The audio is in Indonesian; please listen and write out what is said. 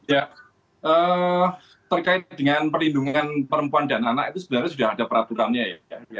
ya terkait dengan perlindungan perempuan dan anak itu sebenarnya sudah ada peraturannya ya